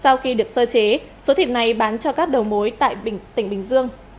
sau khi được sơ chế số thịt này bán cho các đầu mối tại tỉnh bình dương